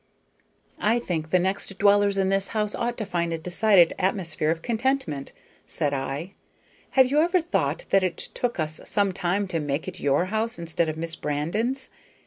"I think the next dwellers in this house ought to find a decided atmosphere of contentment," said I. "Have you ever thought that it took us some time to make it your house instead of Miss Brandon's?